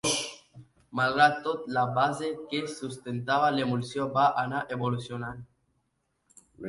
Malgrat tot, la base que sustentava l'emulsió va anar evolucionant.